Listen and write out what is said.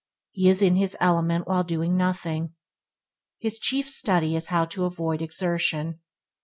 He is in his element when doing nothing. His chief study is how to avoid exertion.